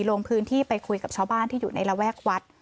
ลงพื้นที่ไปคุยกับชาวบ้านที่อยู่ในระแวกวัด